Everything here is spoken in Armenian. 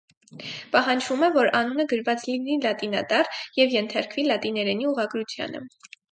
Պահանջվում է, որ անունը գրված լինի լատինատառ և ենթարկվի լատիներենի ուղղագրությանը։